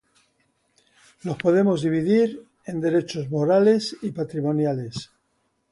los podemos dividir en derechos morales y patrimoniales